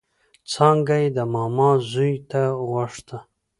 څانګه يې د ماما زوی ته غوښته